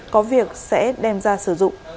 có việc sẽ đem ra sử dụng